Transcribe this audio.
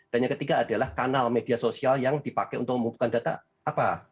dan yang ketiga adalah kanal media sosial yang dipakai untuk mengumpulkan data apa